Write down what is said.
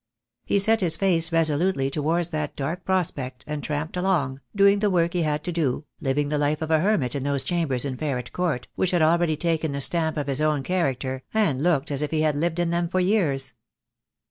He set his face resolutely towards that dark pro spect, and tramped along, doing the work he had to do, living the life of a hermit in those chambers in Ferret Court, which had already taken the stamp of his own character, and looked as if he had lived in them for years.